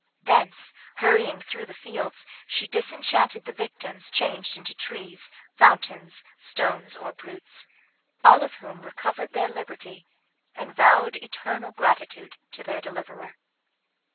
Thence, hurrying through the fields, she disenchanted the victims changed into trees, fountains, stones, or brutes; all of whom recovered their liberty, and vowed eternal gratitude to their deliverer.